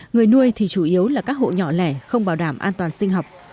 người nuôi thì chủ yếu là các hộ nhỏ lẻ không bảo đảm an toàn sinh học